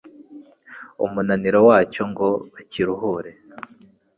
umunaniro wacyo ngo bakiruhure.